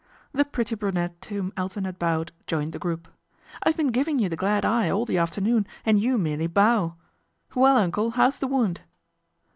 The pretty brunette to whom Elton had bowed joined the group. ''I've been giving you the glad eye all the afternoon and you merely bow. Well, Uncle, how's the wound